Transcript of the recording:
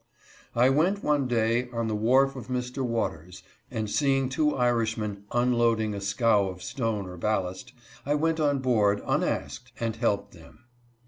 I went, one day, on the wharf of Mr. Waters, and see ing two Irishmen unloading a scow of stone or ballast, I went on board unasked, and helped them.